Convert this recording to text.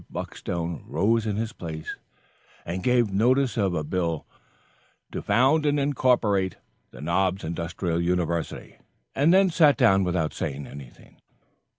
Buckstone rose in his place and gave notice of a bill "To Found and Incorporate the Knobs Industrial University," and then sat down without saying anything further.